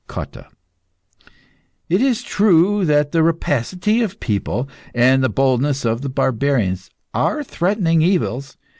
COTTA. It is true that the rapacity of the people, and the boldness of the barbarians, are threatening evils.